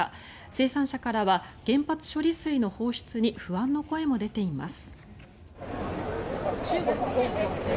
生産者からは原発処理水の放出に不安の声も出ています。